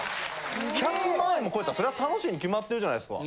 １００万円も超えたらそりゃ楽しいに決まってるじゃないすか。